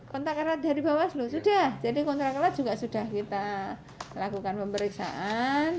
kontak erat dari bawaslu sudah jadi kontrak erat juga sudah kita lakukan pemeriksaan